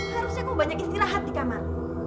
harusan kemu banyak istilah hat dikamar